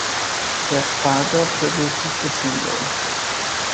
Jeff Pardo produced the single.